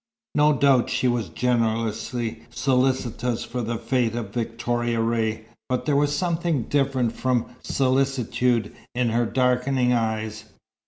No doubt she was generously solicitous for the fate of Victoria Ray, but there was something different from solicitude in her darkening eyes.